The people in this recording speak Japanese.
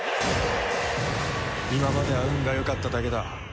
今までは運が良かっただけだ。